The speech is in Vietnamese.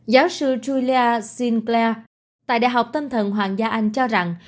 giáo sư julia sinclair tại đại học tâm thần hoàng gia anh cho rằng